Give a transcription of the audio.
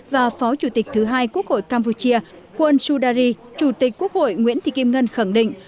và phó chủ tịch thứ hai quốc hội campuchia khuân xu đa ri chủ tịch quốc hội nguyễn thị kim ngân khẳng định